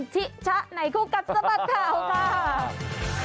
ชี้ชะไหนคู่กัดสบัตรข่าว